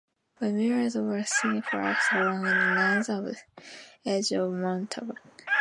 By mirrors were seen flashing along the north edge of Montauban.